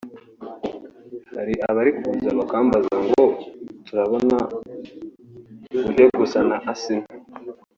Hari abari kuza bakambaza ngo turabona ujya gusa na Asinah